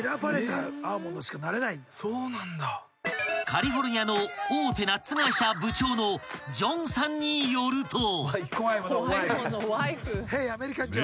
［カリフォルニアの大手ナッツ会社部長のジョンさんによると］